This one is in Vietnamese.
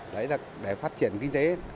đấy là để phát triển kinh tế